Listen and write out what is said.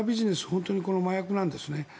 本当に麻薬なんですね。